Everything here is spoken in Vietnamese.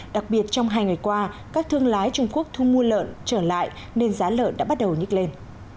đặc biệt trong hai ngày qua các thương lái trung quốc thu mua lợn trở lại nên giá lợn đã bắt đầu nhích lên